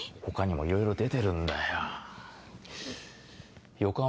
他にもいろいろ出てるんだよ。